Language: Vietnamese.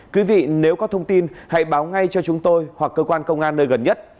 quý vị nếu có thông tin hãy báo ngay cho chúng tôi hoặc cơ quan công an nơi gần nhất